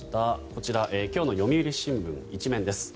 こちら今日の読売新聞１面です。